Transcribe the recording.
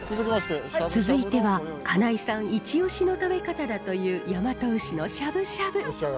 続いては金井さん一押しの食べ方だという大和牛のしゃぶしゃぶ。